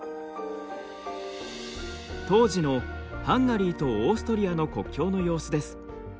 当時のハンガリーとオーストリアの国境の様子です。